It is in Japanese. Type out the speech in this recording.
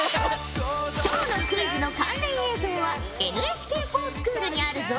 今日のクイズの関連映像はＮＨＫｆｏｒＳｃｈｏｏｌにあるぞ。